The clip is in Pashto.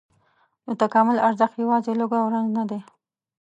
د تکامل ارزښت یواځې لوږه او رنځ نه دی.